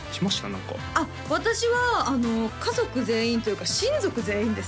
何か私は家族全員というか親族全員ですね